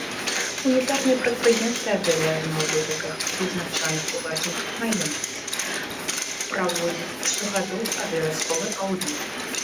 Унітарныя прадпрыемствы абавязаны ў выпадках, вызначаных уласнікам маёмасці, праводзіць штогадовы абавязковы аўдыт.